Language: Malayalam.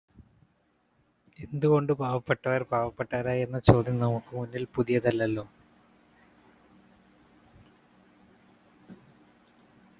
എന്തുകൊണ്ട് പാവപ്പെട്ടവര് പാവപ്പെട്ടവരായി എന്ന ചോദ്യം നമുക്കു മുന്നിൽ പുതിയതല്ലല്ലോ.